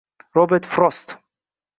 Robert Frost